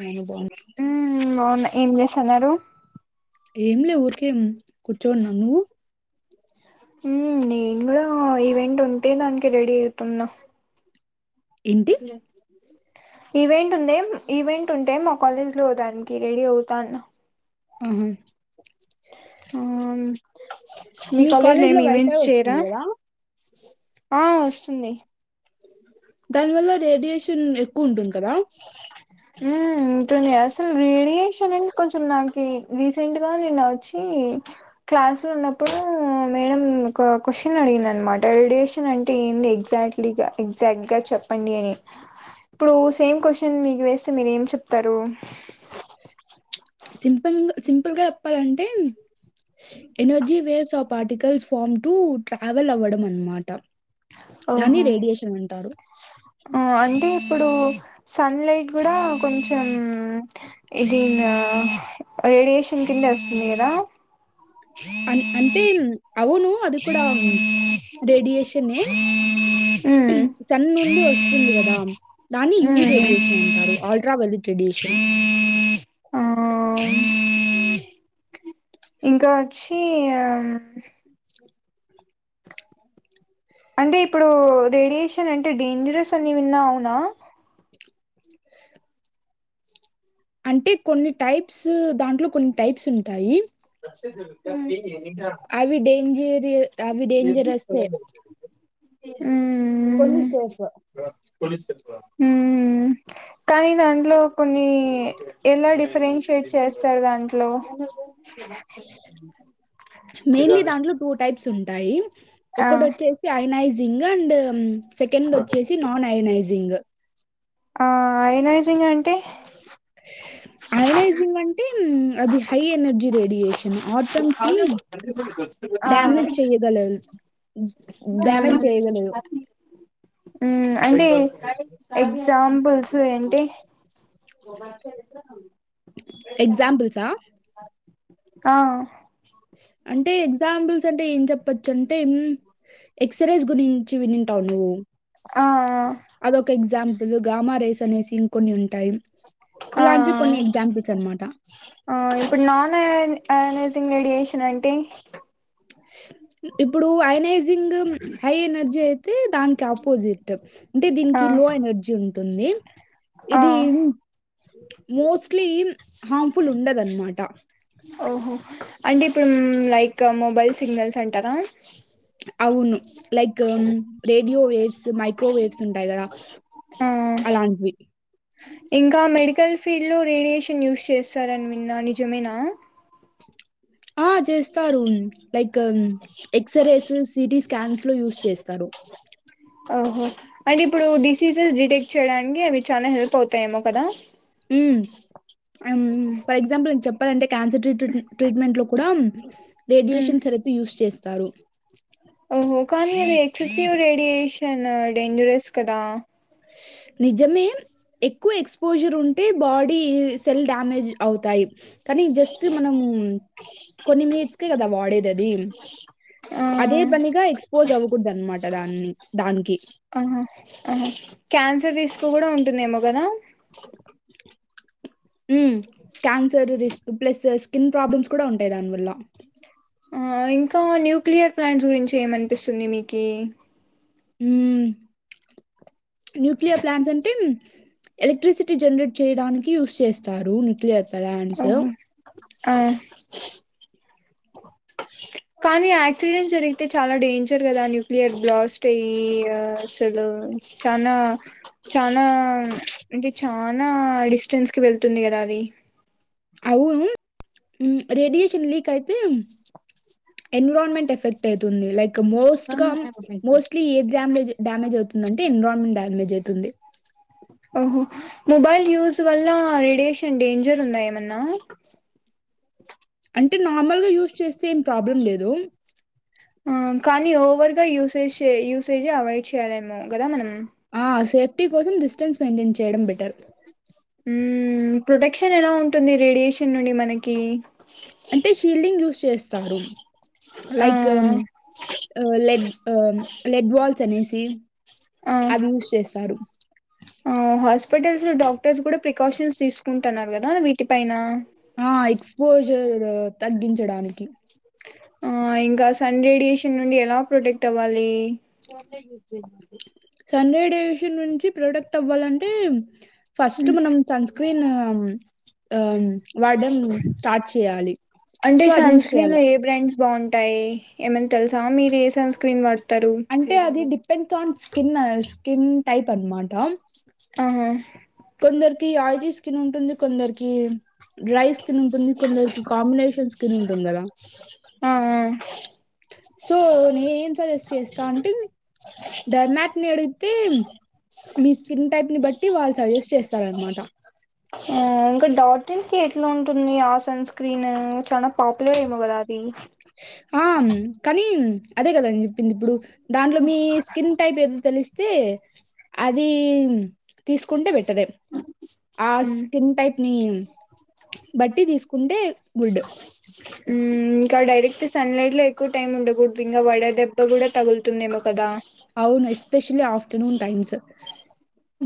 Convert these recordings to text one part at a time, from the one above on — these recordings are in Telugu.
ఏమైనా బాగుం మ్.. బావున్నా ఏం చేసున్నారు ఏం లే ఊరికే మ్ కూర్చోన్న్నా నువ్వు హ్మ్ నేన్ గుడా ఈవెంట్ ఉంటే దానికి రెడీ ఐతున్నా ఏంటి ఈవెంట్ ఉందేం ఇవెం ఉంటే మా కాలేజ్ లో దాన్కి రెడీ అవుతన్నా మ్హ్ ఆ మీ కాలేజీల్లో కాలేజ్ లో ఏమి వైఫై ఈవెంట్స్ వస్తుంది చేయరా... కదా ఆ వస్తుంది. దాని వల్ల రేడియేషన్ ఎక్కువ ఉంటుంది కదా! [unintelligible] అసలు రేడియేషన్ అంట్ కొంచెం నాకి రీసెంట్ గా నిన్న వచ్చి క్లాస్ లో ఉన్నప్పుడు మేడం ఒక క్వశ్చన్ అడిగింది, అనమాట రేడియేషన్ అంటే ఏంది ఎగ్జాక్ట్లీగా ఎగ్జాక్ట్ గా చెప్పు చెప్పండి ఏ ఇప్పుడు సేమ్ కోషన్ మీ ఇవేస్తే మీరు ఏం చెప్తారు సింపుల్ సింపుల్గా చెప్పాలంటే energy waves of particles form to travel అవ్వడం అన్నమాట దాని ఓహో రేడియేషన్ అంటారు. ఆ అంటే అప్పుడు సన్లైట్ కూడా కొంచెం ఇది నా రేడియేషన్ కిందస్ లేదా అన్ అంటే అవును అది కూడా రేడియేషనే ఉమ్ సన్ ండి వస్తుంది కదా దాన్ని యూ ఉమ్ రేడియేషన్ అంటారు ఆల్ట్రా వైలట్ రేడియేషన్ ఆ ఇంకా వచ్చి అంటే ఇప్పుడు రేడియేషన్ అంటే డేంజరస్ అని విన్న అవునా అంటే కొన్ని టైప్స్ దాం ట్లో కొన్ని టైప్స్ ఉంటాయి. అవి డేంజ ఏద్ [unintelligible] అవి డేంజరస్సే ఉమ్ కొన్ని షేర్స్ ఉమ్ కానీ దాంట్లో కొన్ని యే ఎలా డిఫరెన్షియేట్ చే చేస్తారు దాంట్లో విదా స్ ఉంటాయి. ఒకటి వచ్చేసి అయినైజ్ జింగ్ అండ్ సెకండ్ వచ్చేసి నాన్ అయనైజింగ్ ఆ అయనైజింగ్ అంటే అయనైజింగ్ అంటే అది హై ఎనర్జీ రేడియేషన్ ఆటమ్స్ ని ఆ డ్యామేజ్ చెయగల డ్యామేజ్ చేయగలదు. ఊ అంటే ఎగ్జాంపుల్స్ ఏంటి ఎక్సంపుల్స్ ఆ అంటే ఎగ్జాంపుల్స్ అంటే ఏం చెప్ప పచ్చంటే ఎక్సరేస్ గురించి వినుంటావా నువ్వు ఆ అదొక ఎగ్జాంపుల్ గామా రేస్ అనేసి ఇంకొన్ని ఉంటాయి ఆ ఇలాంటివి కొన్ని ఎగ్జాంపుల్స్ అన్నమాట. ఆ ఇప్పుడు నాన్ అయోనైజింగ్ రేడియేషన్ అంటే ఇప్పుడు అయనైజింగ్ హై ఎనర్జీ అయితే దానికి ఆపోజిట్ అంటే ఆ దీనికి లో ఎనర్జీ ఉంటుంది ఆ ఇది మోస్ట్లీ హార్మ్ఫుల్ ఉండదనమాట ఓహో అంటే ఇప్పుడు లైక్ మొబైల్ సిగ్నల్స్ అంటారా అవును లైక్ రేడియో వేవ్స్ మైక్రోవేవ్స్ ఉంటాయి కదా ఆ అలాంటివి ఇంకా మెడికల్ ఫీల్డ్ లో రేడియేషన్ యూజ్ చేస్తారని విన్నా నిజమేనా ఆ చేస్తారూ లైక్ ఎక్సరేస్ సిటి స్కాన్స్ లో యూస్ చేస్తారు ఓహో అంటే ఇప్పుడు డిసీజెస్ డిటెక్ట్ చేయడానికి అవి చాలా హెల్ప్ అవుతాయేమో కదా హ్మ్. ఫర్ ఎగ్జాంపుల్ చెప్పాలంటే క్యాన్సర్ ట్రీట్మెంట్ లో కూడా మ్మ్ రేడియేషన్ థెరపీ యూస్ చేస్తారు ఓహో కానీ అది ఫిజియో రేడియేషన్ షన్ డేంజరస్ కదా నిజమే క్కువ ఎక్స్పోజర్ అంటే బాడీ సెల్ డ్యామేజ్ అవుతాయి కానీ జస్ట్ మనము కొన్ని మినిట్స్ కే కదా వాడేది అది ఆ అదే పనిగా ఎక్స్పోజ్ అవ్వకూడదు అనమాట దాన్ని దానికి ఆహా క్యాన్సర్ రిస్క్ కూడా ఉన్ దెమో కదా ఉహ్ cancer risk plus skin problems కూడా ఉంటాయి దానివల్ల ఆ ఇంకా న్యూక్లియర్ ప్లాంట్స్ గురించి ఏమనిపిస్తుంది మీకి ఉహ్ న్యూక్లియర్ ప్లాంట్స్ అంటే ఎలక్ట్రిసిటీ జనరేట్ చేయడానికి యూస్ చేస్తారు న్యూక్లియర్ ప్లాంట్స్ ఓహో ఆ కానీ ఆక్సిడెంట్ జరిగి అయితే చాలా డేంజర్ కదా న్యూక్లియర్ బ్లాస్ట్ అయి ఆ అసలు చానా చనా అంటే చనా అ స్టెన్స్ కి వెళ్తుంది కద అది అవును ఉహ్ రేడియేషన్ లీక్ అయితే ఎన్విరాన్మెంట్ ఎఫెక్ట్ అవుతుంది లైక్ మోస్ట్ గా మోస్ట్లీ ఏ డామ్ డ్యామేజ్ అవుతుంది అంటే ఎన్విరాన్మెంట్ డ్యామేజ్ అవుతుంది ఓహో మొబైల్ యూస్ వల్ల రేడియేషన్ డేంజర్ ఉందా ఏమన్నా అంటే నార్మల్‌గా యూస్ చేస్తే ఏం ప్రాబ్లం లేదు యూసే యూసేజే అవాయిడ్ చేయాలేమో కదా మనం ఆ సేప్ టి కోసం డిస్టెన్స్ మెయింటైన్ చేయడం బెటర్ ఉహ్ ప్రొటెక్షన్ ఎలా ఉంటుంది రేడియేషన్ నుండి మనకి అంటే షీల్డింగ్ యూస్ చేస్తారు ఆ లైక్ల లెడ్ ఉహ్ లెడ్ బాల్ చెనేసి ఆ ఆ హస్ హాస్పిటల్స్ డాక్టర్స్ కూడా ప్రికాషన్స్ తీసుకుంటున్నారు కదా వీటిపైన ఆ ఎక్స్పోజర్ తగ్గి ఇవాడానికి ఆ ఇంకా సన్ రేడియేషన్ నుండి ఎలా ప్రొటెక్ట్ అవ్వాలి సన్ రేడియేషన్ నుంచి ప్రొడక్ట్ అవ్వాలంటే ఫస్ట్ హ్మ్. మనం సన్ స్క్రీన్ ఉహ్ వాడడం స్టార్ట్ చేయాలి సో అది చేయాలి. అందులో ఏ బ్రాండ్స్ బాగుంటాయి ఏమన్నా తెలుసా మీరు ఏ సన్ స్క్రీన్ వర్డ్ అంటే అది depends on skin skin type అనమాట ఆహా కొందరికి ఆయిలీ స్కిన్ ఉంటుంది కొందరికి డ్రై స్కిన్ ఉంటుంది కొందరికి కాంబినేషన్ స్కిన్ ఉంటుంది కదా అ [unintelligible] సో నే ఏం సజెస్ట్ చేస్తా అంటే డర్మాక్ ని అడిగితే మీ స్కిన్ టైప్ ని బట్టి వాళ్ళు సజెస్ట్ చేస్తారనమాట. ఆ ఇంకా డాటిన్ కి ఎట్లాంటుంది ఆ సన్ స్క్రీన్ చాల పాపులర్ ఏమో కదా అది ఆ కానీ అదే కదాని చెప్పింది ఇప్పుడు దాంట్లో మీ స్కిన్ టైప్ ఏదో తెలిస్తే అది తీసుకుంటే ఆ ఉమ్, స్కిన్ టైప్ ని బట్టి తీసుకుంటే గుడ్ ఇంకా డైరెక్ట్ సన్లైట్లో ఎక్కువ టైం ఉండకూడదు ఇంకా వడ దెబ్బ కూడా తగులుతుందేమో కదా అవును ఎస్పెషలీ ఆఫటర్నూన్ టైమ్స్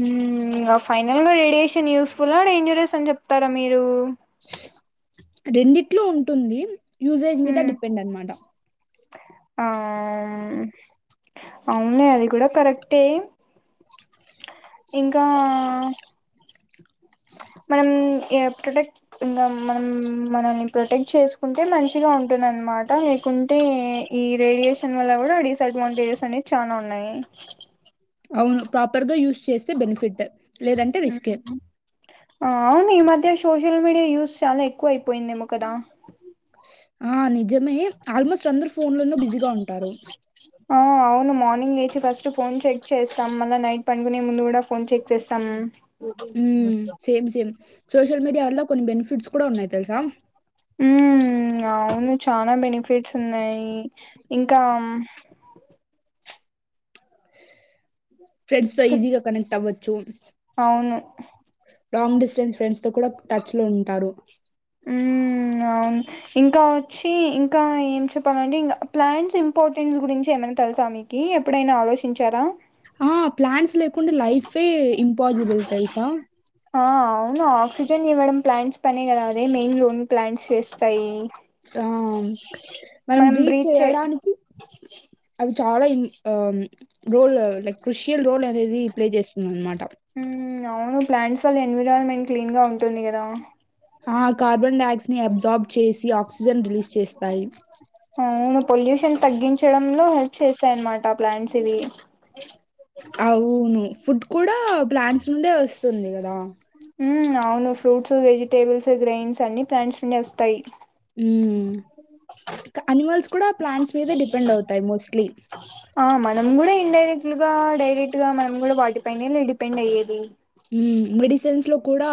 ఉమ్ ఇక ఫైనల్ గా రేడియేషన్ యూస్ ఫుల్ ఆ డేంజరస్ అని చెప్తారా మీరు రెండిట్లు ఉంటుంది. యూసేజ్ మీద ఉమ్, డిపెండ్ అనమాట ఆ అవును నే అది కూడా కరెక్టే ఇంకా మనం ఎ ప్రొడక్ట్ ఇంగ మనం మనల్ని ప్రొటెక్ట్ చేసుకుంటే మంచిగా ఉంటుంది అనమాట లేకుంటే ఈ రేడియేషన్ వల్ల కూడా డిస్ అడ్వాంటేజెస్ అనేవి చానా ఉన్నాయి. అవును ప్రాపర్ గా యూస్ చేస్ బెనిఫిట్ లేదంటే రిస్కె ఉమ్. ఆ అవును ఈ మధ్య సోషల్ మీడియా యూస్ చాలా ఎక్కువ అయిపోయిందేమో కదా ఆ నిజమే ఆల్మోస్ట్ అందరు ఫోన్లనే బిజీగా ఉంటారు. ఆ అవును మార్నింగ్ లేచి ఫస్ట్ ఫోన్ చెక్ చేస్తాం మళ్ళా నైట్ పండుగొనే ముందు కూడా ఫోన్ చెక్ చేస్తాము. ఉ సేమ్ సేమ్ సోషల్ మీడియా వల్ల కొన్ని బెనిఫిట్స్ కూడ ఉన్నాయి తెలుసా ఉమ్ అవును చనా బెనిఫిట్స్ ఉన్నాయి ఇంకా ఫ్రెండ్స్ తో ఈజీగా కనెక్ట్ ఆవ చూము అవును లాంగ్ డిస్టెన్స్ ఫ్రెండ్స్ తో కూడా టచ్ లో ఉంటారు. ఇంగ అవును ఇంకా వచ్చి ఇంకా ఏం చెప్పాలంటే ఇంకా ప్లాంట్స్ ఇంపార్టెంట్స్ గురించి ఏమైనా తెలుసా మీకి ఎప్పుడైనా ఆలోచించారా. ఆ ప్లాన్ట్స్ కుండి లైఫే ఇంపాసిబుల్ తెలుసా ఆ అవును ఆక్సిజన్ ఇవ్వడం ప్లాంట్స్ పనే కదా అదే మెయిన్ లోన్ ప్లాంట్స్ చేస్తాయి ఆ మనం బ్రీచ్ చేయడానికి అవి చాలా ఇం ఆ రోల్ లైక్ కృషియల్ రోల్ అనేది ప్లే చేస్తుంది అన్మాట మ్మ్ అవును ప్లాంట్స్ వాళ్ళ ఎన్విరాన్మెంట్ క్లీన్ గా ఉంటుంది కదా ఆ కార్బన్ డైక్స్ ని అబ్జార్బ్ చేసి ఆక్సిజన్ రిలీజ్ చేస్తాయి అవును పొల్యూషన్ తగ్గించడంలో హెల్ప్ చేస్తాయి అన్మాట ప్లాన్స్ ఇవి అవును ఫుడ్ కూడా ప్లాన్స్ సండే వస్ వస్తుంది కదా మ్ అవును ఫ్రూట్స్ వెజిటేబుల్స్ గ్రైయిన్స్ అన్ని ప్లాంట్స్ నుండే వస్తాయి మ్ ఇంకా అనిమల్స్ కూడా ప్లాంట్స్ మీదే డిపెండ్ అవుతాయి మోస్ట్లీ ఆ మనం కూడా ఇండైరెక్ట్గా డైరెక్ట్గా మనం కూడా వాటిపైనే డిపెండ్ అయ్యేది ఉ మెడిసిన్స్ లో కూడా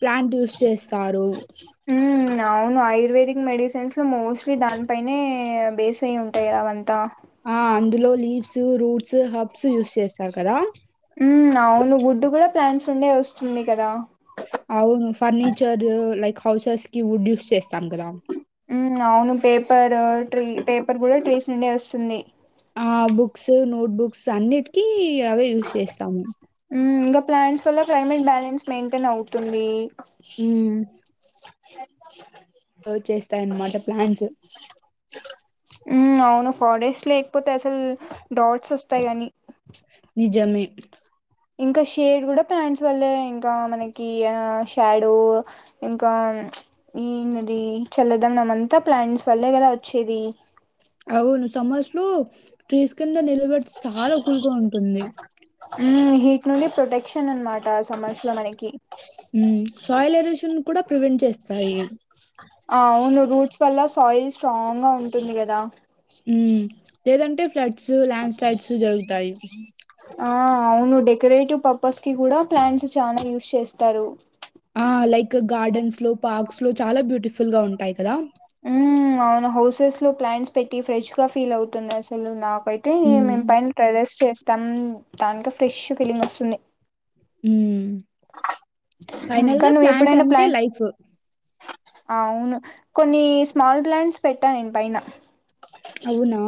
ప్లాంట్ యూస్ చేస్తారు మ్మ్ అవును ఆయుర్వేదిక్ మెడిసిన్స్ లో మోస్ట్లీ దానిపైనే బేస్ అయి ఉంటాయి అలా అ ఆ అందులో లీవ్స్, రూట్స్ ఈ హబ్స్ యూస్ చేస్తారు కదా ఉ అవును గుడ్డు కూడా ప్లాన్స్ ఉండే వస్ ఉంది కదా అవును ఫర్నిచర్ లైక్ హౌసెస్ కి వుడ్ యూస్ చేస్తాం కదా ఉ అవును పేపర్ ట్రీ పేపర్ కూడా ట్రీస్ నుండే వస్తుంది ఆ బుక్స్ నోట్ బుక్స్ అన్నిటికీ అవే యూస్ చేస్తాము ఉమ్ ఇంకా ప్లాంట్స్ వల్ల క్లైమేట్ బ్యాలెన్స్ మెయింటైన్ అవుతుంది ఉ స చేస్తాయన్నమాట ప్లాంట్స్ మ్మ్ అవును ఫారెస్ట్ లేకపోతే అసలు డాట్స్ వస్తాయి కాని నిజమే ఇంకా షేడ్ కూడా ప్లాంట్స్ వల్లే ఇంకా మనకి షాడో ఇంకా ఈది చల్దాంన అంతా ప్లాంట్స్ వల్లే కదా వచ్చేది అవును సమ్మర్స్ లో ట్రీస్ కింద నిలబడితే చాలా కూలుగా ఉంటుంది మ్మ్ హీట్ నుండి ప్రొటెక్షన్ అనమాట ఆ సమస్ లో మనకి ఉ సాయిల్ ఎరోషన్ కూడా ప్రివెంట్ చేస్తాయి ఆ అవును రూట్స్ వల్ల సాయిల్ స్ట్రాంగ్ గా ఉంటుంది కదా ఉ లేదంటే స్లైడ్స్ ల్యాండ్ స్లైడ్స్ జరుగుతాయి ఆ అవును డెకరేటివ్ పర్పస్ కి కూడా ప్లాంట్స్ చాలా యూజ్ చేస్తారు ఆ లైక్ గార్డెన్స్ లో పార్క్స్ లో చాలా బ్యూటిఫుల్ గా ఉంటాయి కదా ఉ అవును హౌసెస్ లో ప్లాంట్స్ పెట్టి ఫ్రెష్ గా ఫీల్ అవుతుంది అసలు నాకు అయితే మే హ్మ్. పైన టెర్రస్ కి చేస్ తమ్ దానిక ఫ్రెష్ ఫీలింగ్ వస్తుంది ఫైనల్గా ప్లాన్స్ అంటే లైఫ్ ఆవును కొన్ని స్మాల్ ప్లాంట్స్ పెట్టా నేను పైన అవునా!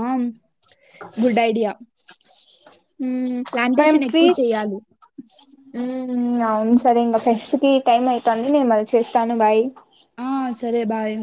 గుడ్ ఐడియా [unintelligible] ఉ మనం ప్లాంటేషన్ ఎక్కువ ట్రీస్ చేయాలి. ఉ అవును సరే ఇంకా ఫెస్ట్ కి టైమ్ అవుతుంది నేను అది చేస్తాను బాయ్ ఆ సరే బాయ్